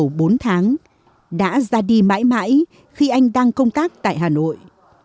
vì vậy trong bốn tháng đã ra đi mãi mãi khi anh đang công tác tại hà nội